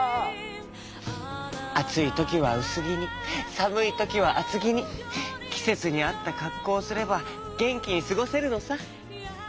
あついときはうすぎにさむいときはあつぎにきせつにあったかっこうをすればげんきにすごせるのさ。